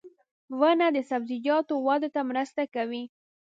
• ونه د سبزیجاتو وده ته مرسته کوي.